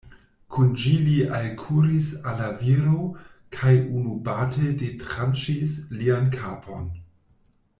Kun ĝi li alkuris al la viro, kaj unubate detranĉis lian kapon.